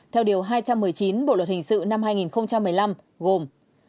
theo điều hai trăm một mươi chín bộ luật hình sự năm hai nghìn một mươi năm gồm